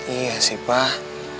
iya sih pak